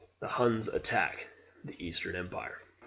The Huns attack the Eastern empire.